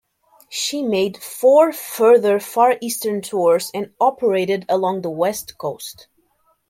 She made four further Far Eastern tours and operated along the West Coast.